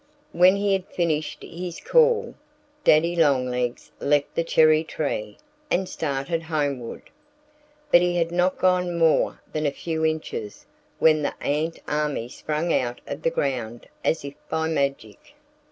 When he had finished his call, Daddy Longlegs left the cherry tree and started homeward. But he had not gone more than a few inches when the ant army sprang out of the ground as if by magic.